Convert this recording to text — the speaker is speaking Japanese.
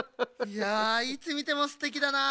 いやいつみてもすてきだなあ